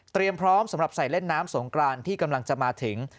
พร้อมสำหรับใส่เล่นน้ำสงกรานที่กำลังจะมาถึง